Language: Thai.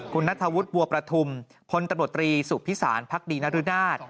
คุณนัทวุฒิบัวประธุมคนตระหนดตรีสุภิษานพรรคดีนรนาศ